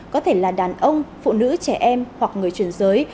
có thể là đàn ông phụ nữ trẻ em hoặc người truyền giới